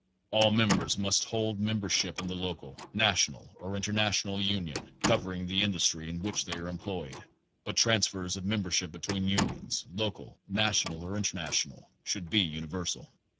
All members must hold membership in the local, na tional or international union covering the industry in which they are employed, but transfers of membership between unions, local, national or international, should be universal.